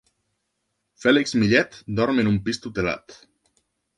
Fèlix Millet dorm en un pis tutelat.